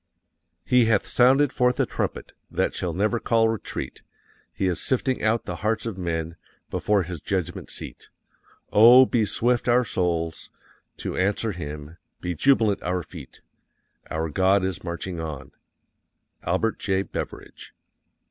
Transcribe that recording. "_HE HATH SOUNDED FORTH A TRUMPET that shall never call retreat. HE IS SIFTING OUT THE HEARTS OF MEN before His judgment seat. OH, BE SWIFT OUR SOULS TO ANSWER HIM, BE JUBILANT OUR FEET, Our God is marching on_." ALBERT J. BEVERIDGE.